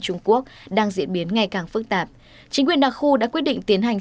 trung quốc đang diễn biến ngày càng phức tạp chính quyền đa khu đã quyết định tiến hành